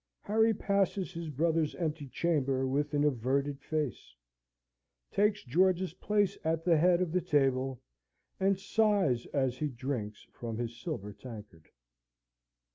Harry passes his brother's empty chamber with an averted face; takes George's place at the head of the table, and sighs as he drinks from his silver tankard.